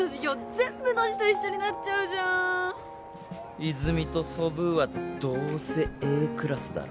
全部ノジと一緒になっちゃうじゃん泉とソブーはどうせＡクラスだろ？